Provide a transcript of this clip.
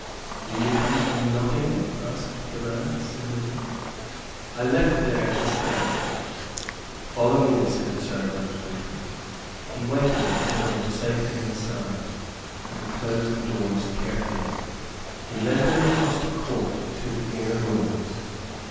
"Do you come from Nottingham?" asked the man, civilly. "I left there this day," replied Robin. "Follow me," said the servant, briefly. He waited until they were safely inside; then closed the doors carefully. He led them across the court to the inner doors.